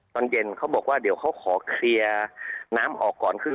ตอนเย็นเขาบอกว่าเดี๋ยวเขาขอเคลียร์น้ำออกก่อน